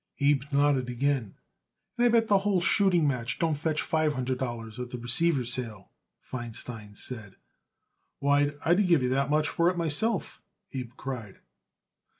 Abe nodded again. "And I bet the whole shooting match don't fetch five hundred dollars at the receiver's sale," Feinstein said. "Why, I'd give that much for it myself," Abe cried.